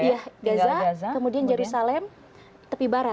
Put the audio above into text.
iya gaza kemudian jerusalem tepi barat